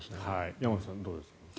山口さん、どうですか。